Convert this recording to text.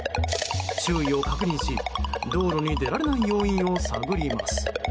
周囲を確認し、道路に出られない要因を探ります。